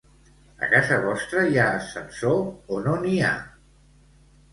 A casa vostra hi ha ascensor o no n'hi ha?